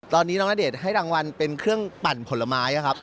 ตอนนี้น้องณเดชน์ให้รางวัลเป็นเครื่องปั่นผลไม้ครับ